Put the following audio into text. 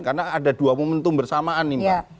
karena ada dua momentum bersamaan nih pak